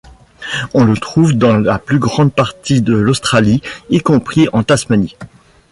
On le trouve dans la plus grande partie de l'Australie y compris en Tasmanie.